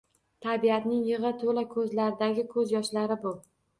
Tabiatning yigʻi toʻla koʻzlaridagi koʻzyoshlari bu!